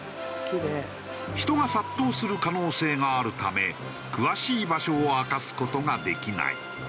人が殺到する可能性があるため詳しい場所を明かす事ができない。